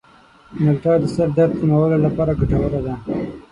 مالټه د سر درد کمولو لپاره ګټوره ده.